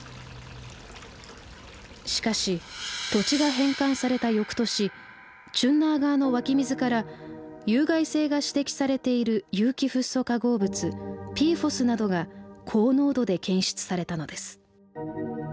しかし土地が返還された翌年チュンナーガーの湧き水から有害性が指摘されている有機フッ素化合物ＰＦＯＳなどが高濃度で検出されたのです。